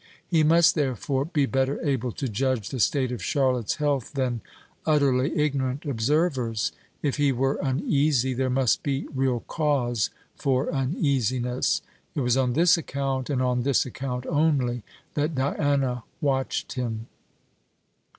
He must, therefore, be better able to judge the state of Charlotte's health than utterly ignorant observers. If he were uneasy, there must be real cause for uneasiness. It was on this account, and on this account only, that Diana watched him.